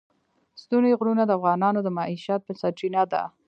ستوني غرونه د افغانانو د معیشت سرچینه ده.